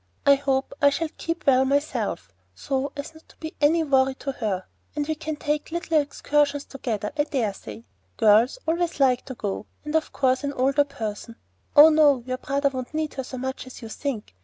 I hope I shall keep well myself, so as not to be a worry to her. And we can take little excursions together, I dare say Girls always like to go, and of course an older person Oh, no, your brother won't need her so much as you think.